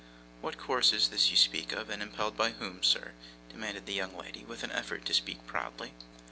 'What course is this you speak of, and impelled by whom, sir?' demanded the young lady, with an effort to speak proudly.